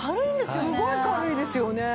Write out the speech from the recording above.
すごい軽いですよね。